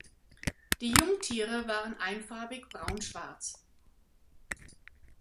Die Jungtiere waren einfarbig braunschwarz.